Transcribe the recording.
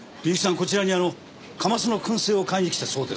こちらにカマスの薫製を買いに来たそうですが。